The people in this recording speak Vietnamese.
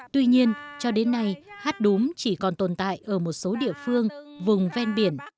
tuy nhiên cho đến nay hát đốm chỉ còn tồn tại ở một số địa phương vùng ven biển